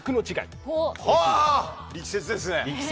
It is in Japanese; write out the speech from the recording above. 力説ですね！